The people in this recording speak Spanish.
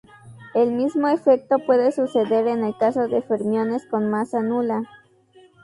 El mismo efecto puede suceder en el caso de fermiones con masa nula.